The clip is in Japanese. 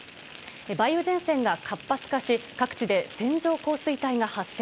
梅雨前線が活発化し各地で線状降水帯が発生。